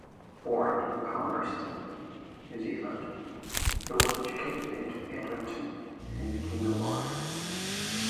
Born in Palmerston, New Zealand, he was educated in Edmonton and became a lawyer.